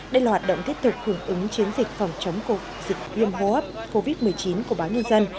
đây là hoạt động thiết thực hưởng ứng chiến dịch phòng chống dịch viêm hô hấp covid một mươi chín của báo nhân dân